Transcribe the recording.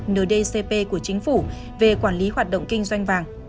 nơi dcp của chính phủ về quản lý hoạt động kinh doanh vàng